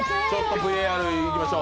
ＶＡＲいきましょう。